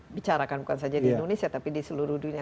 bicarakan bukan saja di indonesia tapi di seluruh dunia